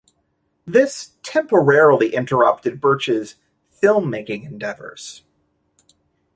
This temporarily interrupted Birch's filmmaking endeavors.